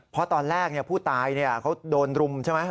เพราะตอนแรกผู้ตายเขาโดนรุมใช่ไหม